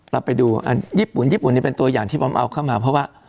เราไปดูญี่ปุ่นญี่ปุ่นนี่เป็นตัวอย่างที่บอมเอาเข้ามาเพราะว่า